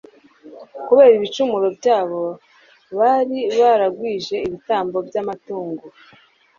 kubera ibicumuro byabo, bari baragwije ibitambo by’amatungo